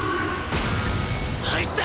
入った！